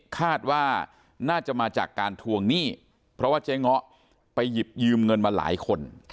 คาดว่าน่าจะมาจากการทวงหนี้เพราะว่าเจ๊ง้อไปหยิบยืมเงินมาหลายคน